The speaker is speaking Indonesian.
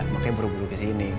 makanya buru buru kesini